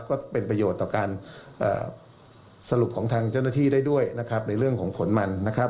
ก็เป็นประโยชน์ต่อการสรุปของทางเจ้าหน้าที่ได้ด้วยนะครับในเรื่องของผลมันนะครับ